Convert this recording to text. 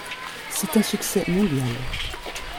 C´est un succès mondial.